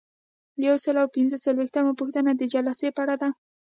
یو سل او پنځه څلویښتمه پوښتنه د جلسې په اړه ده.